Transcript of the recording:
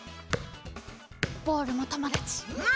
ボールもともだち。